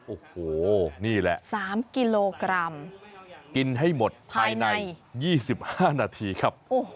โอ้โหนี่แหละ๓กิโลกรัมกินให้หมดภายใน๒๕นาทีครับ